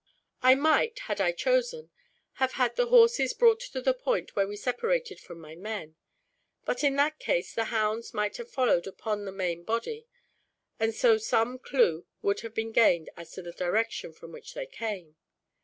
"I might, had I chosen, have had the horses brought to the point where we separated from my men. But in that case the hounds might have followed upon the main body, and so some clue would have been gained as to the direction from which they came.